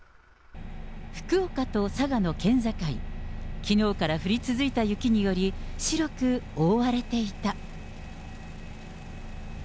福岡と佐賀の県境、きのうから降り続いた雪により、白く覆われていた。